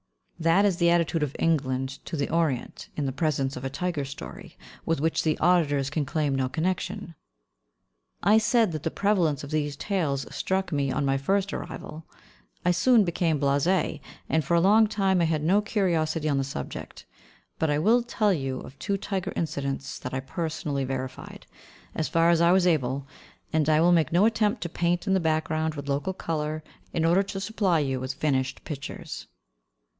That is the attitude of England to the Orient in the presence of a tiger story with which the auditors can claim no connection. I said that the prevalence of these tales struck me on my first arrival. I soon became blasé, and for a long time I have had no curiosity on the subject; but I will tell you of two tiger incidents that I personally verified, as far as I was able, and I will make no attempt to paint in the background with local colour, in order to supply you with finished pictures.